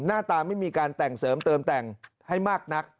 หน้าตาไม่มีการแต่งเสริมเติมแต่งให้มากนัก